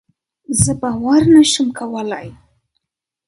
زه باور نشم کولی.